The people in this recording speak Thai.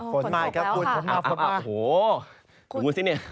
ฝนโต๊ะแล้วค่ะอ้าวโอ้โฮดูสิเนี่ย